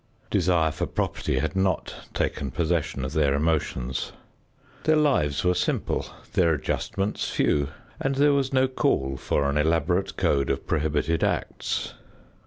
Desire for property had not taken possession of their emotions. Their lives were simple, their adjustments few, and there was no call for an elaborate code of prohibited acts.